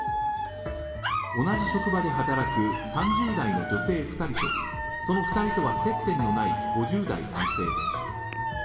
同じ職場で働く３０代の女性２人と、その２人とは接点のない５０代男性です。